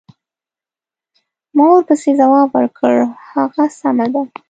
ما ورپسې ځواب ورکړ: هغه سمه ده.